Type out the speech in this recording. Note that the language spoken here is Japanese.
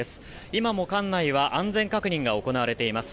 今も、館内は安全確認が行われています。